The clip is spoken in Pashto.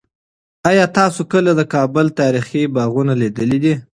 آیا تاسو کله د کابل تاریخي باغونه لیدلي دي؟